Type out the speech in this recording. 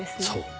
そう。